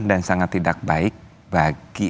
dan sangat tidak baik bagi